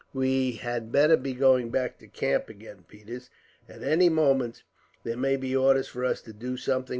"We had better be going back to camp again, Peters. At any moment, there may be orders for us to do something.